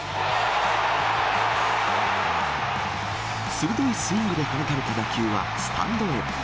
鋭いスイングで放たれた打球はスタンドへ。